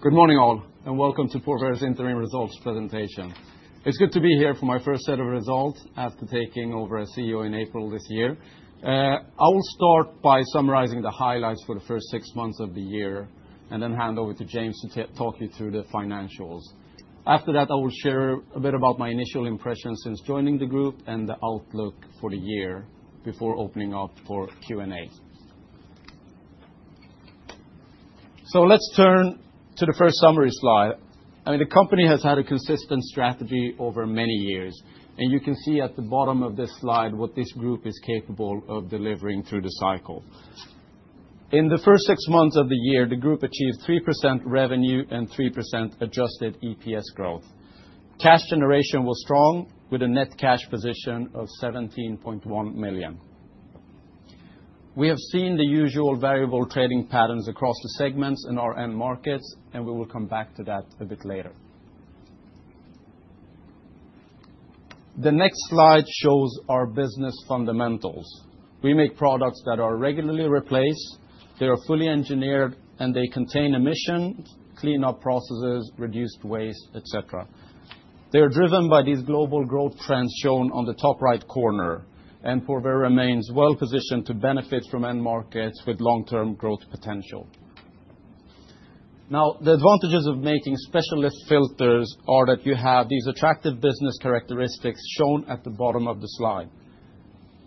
Good morning, all, and welcome to Porvair's interim results presentation. It's good to be here for my first set of results after taking over as CEO in April this year. I will start by summarizing the highlights for the first six months of the year, and then hand over to James to talk you through the financials. After that, I will share a bit about my initial impressions since joining the group and the outlook for the year before opening up for Q&A. Let's turn to the first summary slide. The company has had a consistent strategy over many years, and you can see at the bottom of this slide what this group is capable of delivering through the cycle. In the first six months of the year, the group achieved 3% revenue and 3% adjusted EPS growth. Cash generation was strong, with a net cash position of 17.1 million. We have seen the usual variable trading patterns across the segments in our end markets, and we will come back to that a bit later. The next slide shows our business fundamentals. We make products that are regularly replaced, they are fully engineered, and they contain emissions, clean-up processes, reduced waste, etc. They are driven by these global growth trends shown on the top right corner, and Porvair remains well positioned to benefit from end markets with long-term growth potential. Now, the advantages of making specialist filters are that you have these attractive business characteristics shown at the bottom of the slide.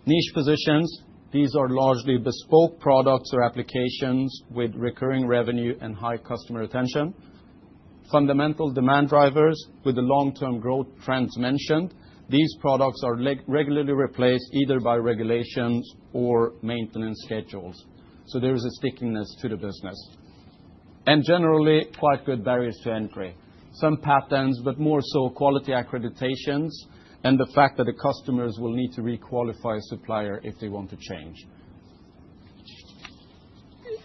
Niche positions: these are largely bespoke products or applications with recurring revenue and high customer retention. Fundamental demand drivers: with the long-term growth trends mentioned, these products are regularly replaced either by regulations or maintenance schedules, so there is a stickiness to the business. There are generally quite good barriers to entry. Some patterns, but more so quality accreditations and the fact that the customers will need to requalify a supplier if they want to change.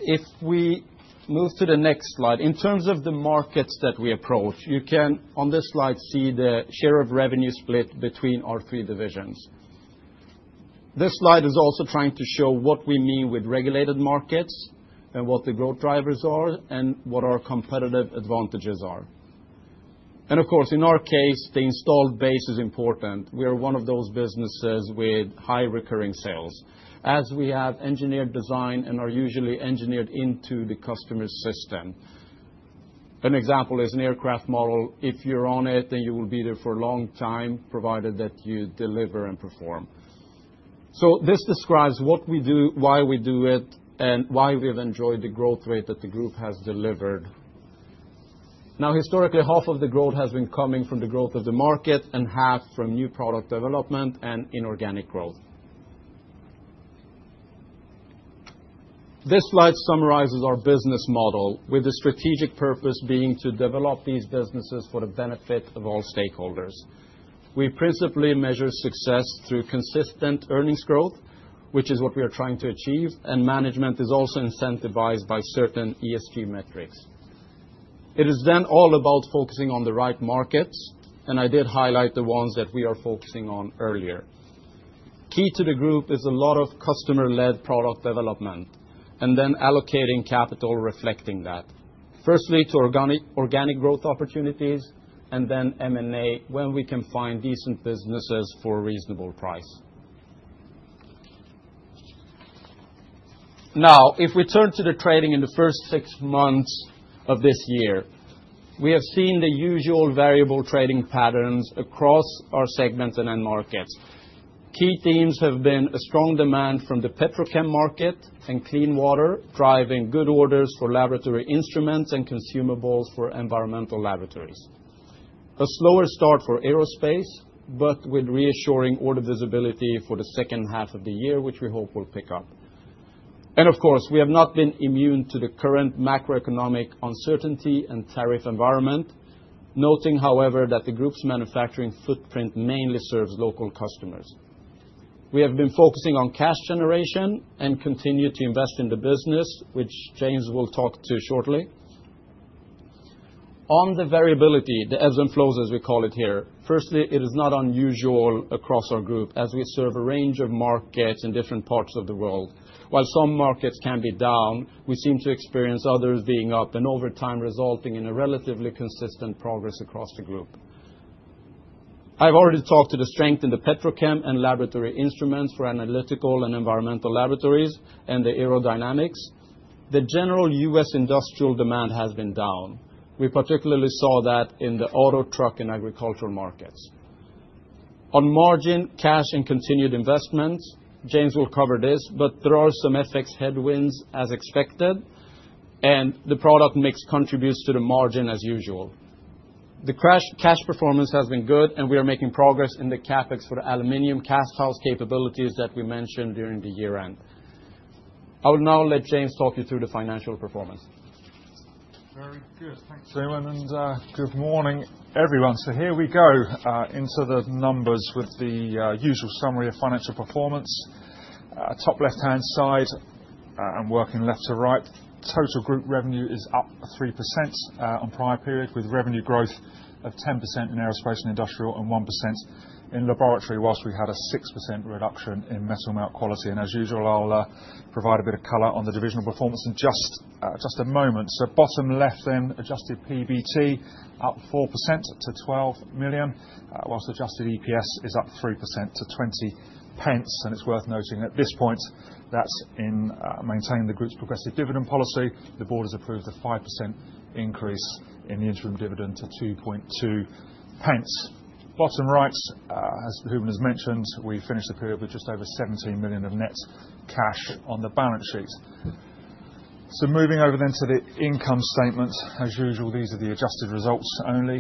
If we move to the next slide, in terms of the markets that we approach, you can on this slide see the share of revenue split between our three divisions. This slide is also trying to show what we mean with regulated markets and what the growth drivers are and what our competitive advantages are. Of course, in our case, the installed base is important. We are one of those businesses with high recurring sales, as we have engineered design and are usually engineered into the customer's system. An example is an aircraft model. If you're on it, then you will be there for a long time, provided that you deliver and perform. This describes what we do, why we do it, and why we have enjoyed the growth rate that the group has delivered. Historically, half of the growth has been coming from the growth of the market and half from new product development and inorganic growth. This slide summarizes our business model, with the strategic purpose being to develop these businesses for the benefit of all stakeholders. We principally measure success through consistent earnings growth, which is what we are trying to achieve, and management is also incentivized by certain ESG metrics. It is all about focusing on the right markets, and I did highlight the ones that we are focusing on earlier. Key to the group is a lot of customer-led product development and then allocating capital reflecting that, firstly to organic growth opportunities and then M&A when we can find decent businesses for a reasonable price. Now, if we turn to the trading in the first six months of this year, we have seen the usual variable trading patterns across our segments and end markets. Key themes have been a strong demand from the petrochem market and clean water, driving good orders for laboratory instruments and consumables for environmental laboratories. A slower start for aerospace, but with reassuring order visibility for the second half of the year, which we hope will pick up. Of course, we have not been immune to the current macroeconomic uncertainty and tariff environment, noting, however, that the group's manufacturing footprint mainly serves local customers. We have been focusing on cash generation and continue to invest in the business, which James will talk to shortly. On the variability, the ebbs and flows, as we call it here. Firstly, it is not unusual across our group, as we serve a range of markets in different parts of the world. While some markets can be down, we seem to experience others being up and over time resulting in a relatively consistent progress across the group. I've already talked to the strength in the petrochem and laboratory instruments for analytical and environmental laboratories and the aerodynamics. The general U.S. industrial demand has been down. We particularly saw that in the auto, truck, and agricultural markets. On margin, cash and continued investments, James will cover this, but there are some FX headwinds as expected, and the product mix contributes to the margin as usual. The cash performance has been good, and we are making progress in the CapEx for the aluminum cast-house capabilities that we mentioned during the year-end. I will now let James talk you through the financial performance. Very good. Thanks, Raywan, and good morning, everyone. Here we go into the numbers with the usual summary of financial performance. Top left-hand side, I'm working left to right. Total group revenue is up 3% on prior period, with revenue growth of 10% in aerospace and industrial and 1% in laboratory, whilst we had a 6% reduction in metal melt quality. As usual, I'll provide a bit of color on the divisional performance in just a moment. Bottom left then, adjusted PBT up 4% to 12 million, whilst adjusted EPS is up 3% to 20 pence. It's worth noting at this point that in maintaining the group's progressive dividend policy, the board has approved a 5% increase in the interim dividend to 2.2 pence. Bottom right, as Hooman has mentioned, we finished the period with just over 17 million of net cash on the balance sheet. Moving over then to the income statement. As usual, these are the adjusted results only.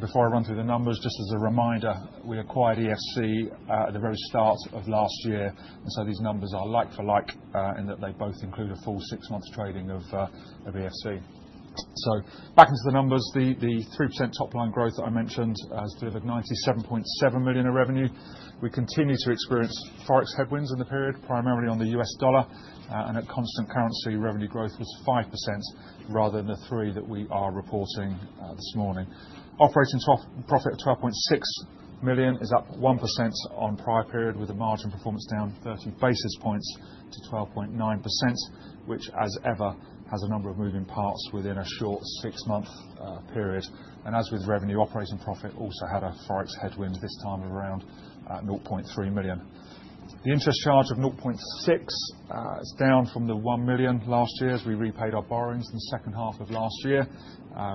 Before I run through the numbers, just as a reminder, we acquired EFC at the very start of last year, and so these numbers are like for like in that they both include a full six months trading of EFC. Back into the numbers, the 3% top line growth that I mentioned has delivered 97.7 million of revenue. We continue to experience Forex headwinds in the period, primarily on the U.S. dollar, and our constant currency revenue growth was 5% rather than the 3% that we are reporting this morning. Operating profit of 12.6 million is up 1% on prior period, with the margin performance down 30 basis points to 12.9%, which, as ever, has a number of moving parts within a short six-month period. As with revenue, operating profit also had a Forex headwind this time of around 0.3 million. The interest charge of 0.6 million is down from the 1 million last year as we repaid our borrowings in the second half of last year,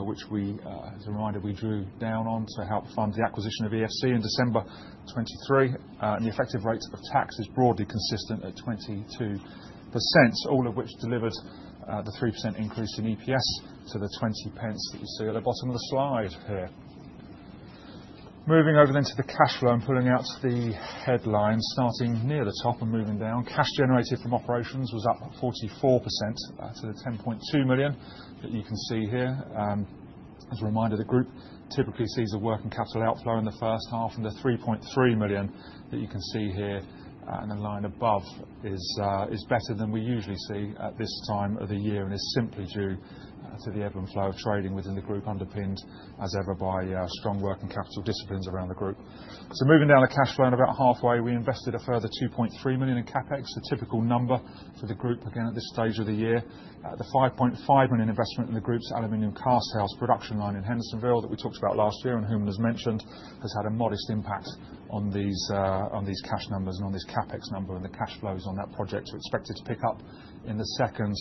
which, as a reminder, we drew down on to help fund the acquisition of EFC in December 2023. The effective rate of tax is broadly consistent at 22%, all of which delivered the 3% increase in EPS to the 20 pence that you see at the bottom of the slide here. Moving over to the cash flow and pulling out the headlines, starting near the top and moving down. Cash generated from operations was up 44% to the 10.2 million that you can see here. As a reminder, the group typically sees a working capital outflow in the first half and the 3.3 million that you can see here and the line above is better than we usually see at this time of the year and is simply due to the ebb and flow of trading within the group, underpinned, as ever, by strong working capital disciplines around the group. Moving down the cash flow and about halfway, we invested a further 2.3 million in CapEx, a typical number for the group again at this stage of the year. The 5.5 million investment in the group's aluminum cast-house, production line in Hendersonville that we talked about last year and Hooman has mentioned, has had a modest impact on these cash numbers and on this CapEx number and the cash flows on that project, so expected to pick up in the second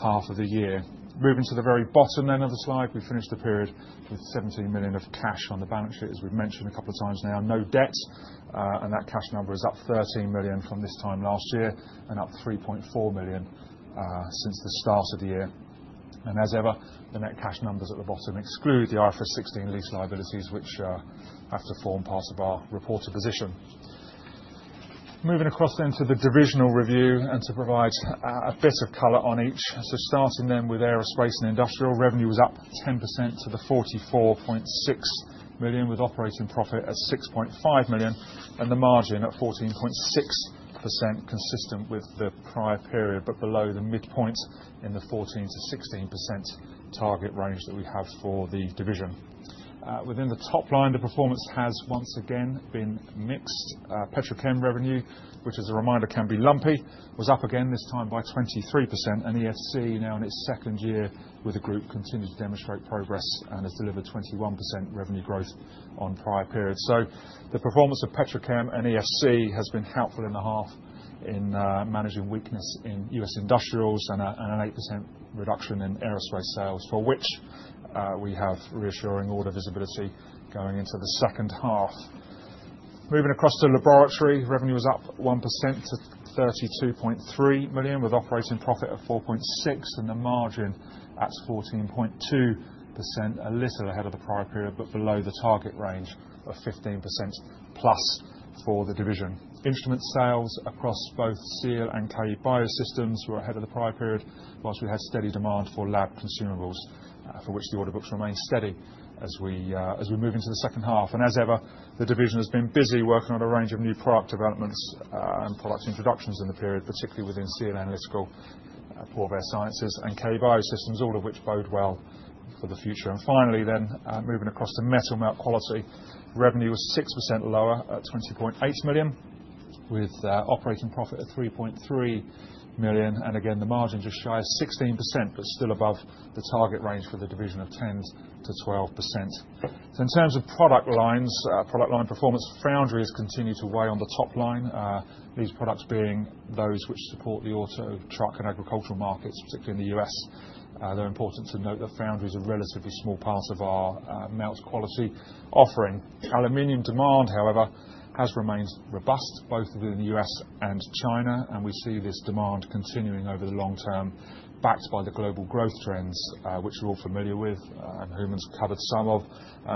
half of the year. Moving to the very bottom then of the slide, we finished the period with 17 million of cash on the balance sheet, as we've mentioned a couple of times now, no debt, and that cash number is up 13 million from this time last year and up 3.4 million since the start of the year. As ever, the net cash numbers at the bottom exclude the RFS 16 lease liabilities, which have to form part of our reported position. Moving across then to the divisional review and to provide a bit of color on each. Starting then with aerospace and industrial, revenue was up 10% to 44.6 million, with operating profit at 6.5 million and the margin at 14.6%, consistent with the prior period but below the midpoint in the 14%-16% target range that we have for the division. Within the top line, the performance has once again been mixed. Petrochem revenue, which as a reminder can be lumpy, was up again this time by 23%, and EFC, now in its second year with the group, continues to demonstrate progress and has delivered 21% revenue growth on prior period. The performance of petrochem and EFC has been helpful in the half in managing weakness in U.S. industrials and an 8% reduction in aerospace sales, for which we have reassuring order visibility going into the second half. Moving across to laboratory, revenue was up 1% to 32.3 million, with operating profit of 4.6 million and the margin at 14.2%, a little ahead of the prior period but below the target range of 15% plus for the division. Instrument sales across both Seal and KE BioSystems were ahead of the prior period, whilst we had steady demand for laboratory consumables, for which the order books remained steady as we move into the second half. The division has been busy working on a range of new product developments and product introductions in the period, particularly within Seal Analytical, Porvair Sciences, and KE BioSystems, all of which bode well for the future. Finally, moving across to metal melt quality, revenue was 6% lower at 20.8 million, with operating profit at 3.3 million. Again, the margin just shy of 16%, but still above the target range for the division of 10%-12%. In terms of product lines, product line performance, Foundry has continued to weigh on the top line, these products being those which support the auto, truck, and agricultural markets, particularly in the U.S. Though important to note that Foundry is a relatively small part of our melt quality offering. Aluminum demand, however, has remained robust, both within the U.S. and China, and we see this demand continuing over the long term, backed by the global growth trends, which we're all familiar with and Hooman's covered some of,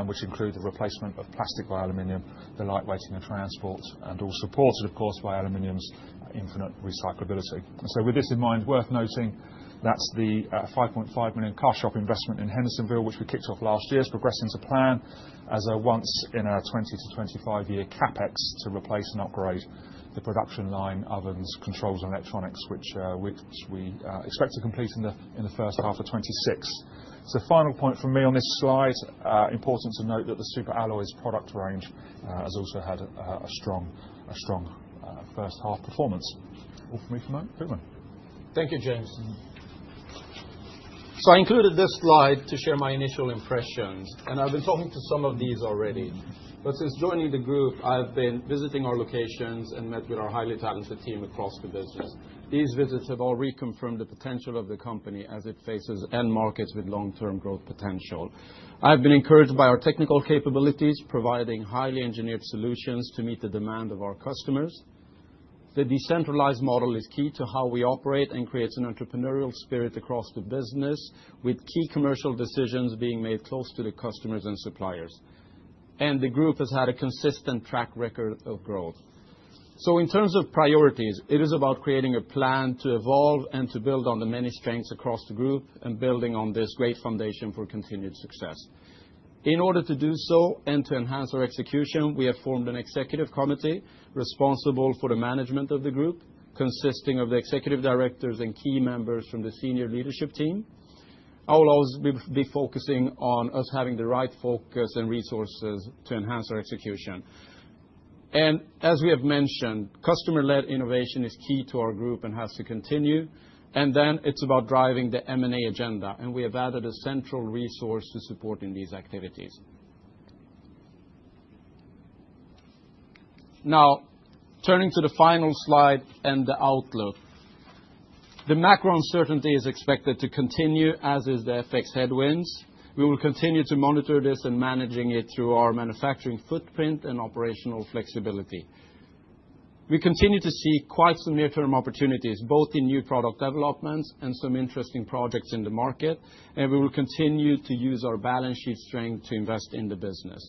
which include the replacement of plastic by aluminum, the lightweighting of transport, and all supported, of course, by aluminum's infinite recyclability. With this in mind, worth noting that the 5.5 million car shop investment in Hendersonville, which we kicked off last year, is progressing to plan as a once in a 20-25 year CapEx to replace and upgrade the production line, ovens, controls, and electronics, which we expect to complete in the first half of 2026. Final point from me on this slide, important to note that the super alloys product range has also had a strong first half performance. All from me for the moment. Hooman. Thank you, James. I included this slide to share my initial impressions, and I've been talking to some of these already. Since joining the group, I've been visiting our locations and met with our highly talented team across the business. These visits have all reconfirmed the potential of the company as it faces end markets with long-term growth potential. I've been encouraged by our technical capabilities, providing highly engineered solutions to meet the demand of our customers. The decentralized model is key to how we operate and creates an entrepreneurial spirit across the business, with key commercial decisions being made close to the customers and suppliers. The group has had a consistent track record of growth. In terms of priorities, it is about creating a plan to evolve and to build on the many strengths across the group and building on this great foundation for continued success. In order to do so and to enhance our execution, we have formed an executive committee responsible for the management of the group, consisting of the executive directors and key members from the senior leadership team. I will always be focusing on us having the right focus and resources to enhance our execution. As we have mentioned, customer-led innovation is key to our group and has to continue. It is about driving the M&A agenda, and we have added a central resource to supporting these activities. Now, turning to the final slide and the outlook, the macro uncertainty is expected to continue, as is the FX headwinds. We will continue to monitor this and manage it through our manufacturing footprint and operational flexibility. We continue to see quite some near-term opportunities, both in new product developments and some interesting projects in the market, and we will continue to use our balance sheet strength to invest in the business.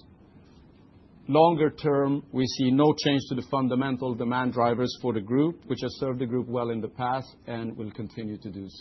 Longer term, we see no change to the fundamental demand drivers for the group, which have served the group well in the past and will continue to do so.